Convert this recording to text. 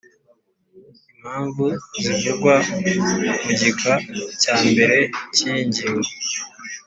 Impamvu zivugwa mu gika cya mbere cy’ iyi ngingo